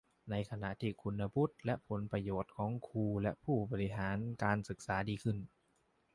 ในขณะที่คุณวุฒิและผลประโยชน์ของครูและผู้บริหารการศึกษาดีขึ้น